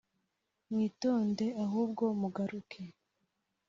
mwitonde ahubwo muhaguruke